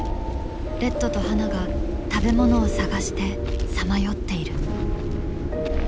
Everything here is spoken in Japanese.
レッドとハナが食べ物を探してさまよっている。